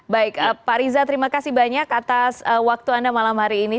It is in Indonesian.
baik pak riza terima kasih banyak atas waktu anda malam hari ini